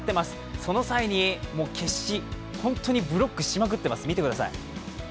その際に決死、本当にブロックしまくっています。